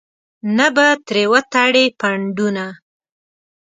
نه به ترې وتړې پنډونه.